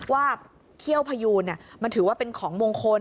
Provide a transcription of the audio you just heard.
ว่าเขี้ยวพยูนเนี้ยมันถือว่าเป็นของมงคล